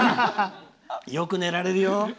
よく寝られるよ。